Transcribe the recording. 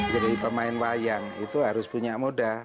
jadi pemain wayang itu harus punya muda